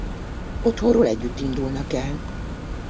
Otthonról együtt indulnak el.